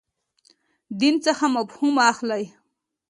دین څخه مفهوم اخلئ.